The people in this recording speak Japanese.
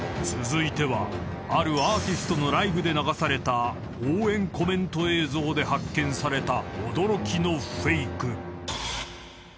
［続いてはあるアーティストのライブで流された応援コメント映像で発見された驚きのフェイク］